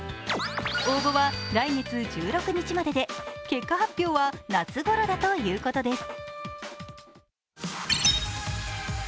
応募は来月１６日までで、結果発表は夏ごろだということです。